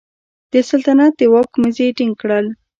د سلطنت د واک مزي ټینګ کړل.